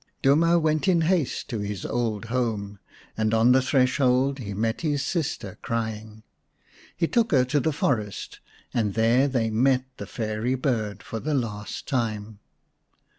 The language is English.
Duma went in haste to his old home, and on the threshold he met his sister crying. He took her to the forest, and there they met the fairy bird for the last time.